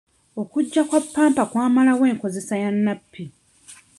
Okujja kwa pampa kwamalawo enkozesa ya nappi.